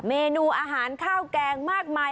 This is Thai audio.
เมนูอาหารข้าวแกงมากมาย